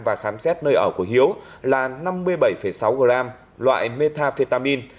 và khám xét nơi ở của hiếu là năm mươi bảy sáu gram loại metafetamin